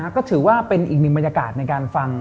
ก็ถือว่าเป็นอีกหนึ่งบรรยากาศในการฟัง